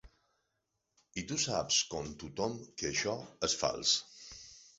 I tu saps com tothom que això és fals.